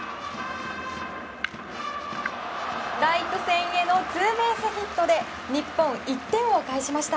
ライト線へのツーベースヒットで日本、１点を返しました！